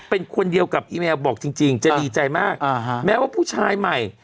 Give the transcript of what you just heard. เป็นคนเดียวกับอีแมวบอกจริงจะดีใจมากแม้ว่าผู้ชายใหม่